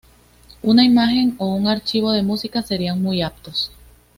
Una imagen o un archivo de música serían muy aptos.